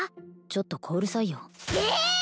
ちょっとこうるさいよええ！？